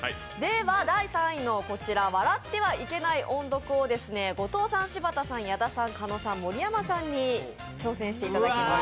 第３位の「笑ってはいけない音読」を後藤さん、柴田さん、矢田さん狩野さん、盛山さんに挑戦していただきます。